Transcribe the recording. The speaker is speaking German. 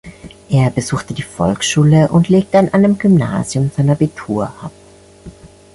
Er besuchte die Volksschule und legte an einem Gymnasium sein Abitur ab.